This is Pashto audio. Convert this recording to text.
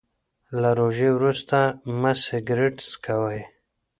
له روژې وروسته مه سګریټ څکوئ.